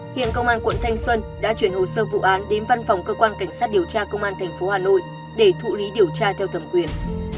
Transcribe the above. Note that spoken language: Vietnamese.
hiện công an quận thanh xuân đã chuyển hồ sơ vụ án đến văn phòng cơ quan cảnh sát điều tra công an tp hà nội để thụ lý điều tra theo thẩm quyền